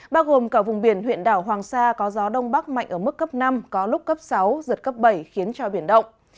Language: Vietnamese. bao gồm cả vùng biển huyện đảo hoàng sa có gió đông bắc mạnh ở mức cấp năm có lúc cấp sáu giật cấp bảy khiến cho biển động